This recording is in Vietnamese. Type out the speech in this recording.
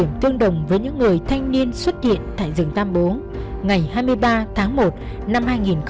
điểm tương đồng với những người thanh niên xuất hiện tại rừng tam bố ngày hai mươi ba tháng một năm hai nghìn một mươi chín